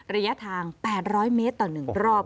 ระยะทาง๘๐๐เมตรต่อ๑รอบ